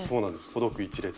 ほどく１列。